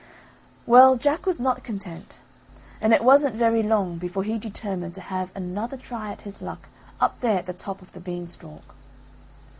Well, Jack was not content, and it wasn't very long before he determined to have another try at his luck up there at the top of the beanstalk.